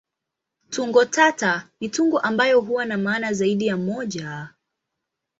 Tungo tata ni tungo ambayo huwa na maana zaidi ya moja.